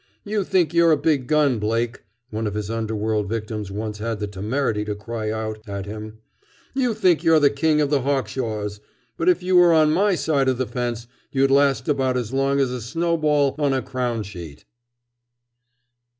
"You think you're a big gun, Blake," one of his underworld victims once had the temerity to cry out at him. "You think you're the king of the Hawkshaws! But if you were on my side of the fence, you'd last about as long as a snowball on a crownsheet!"